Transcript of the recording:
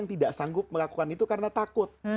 tidak sanggup melakukan itu karena takut